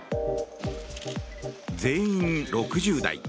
全員、６０代。